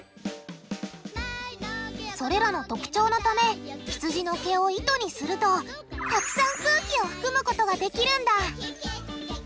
それらの特徴のためひつじの毛を糸にするとたくさん空気を含むことができるんだ。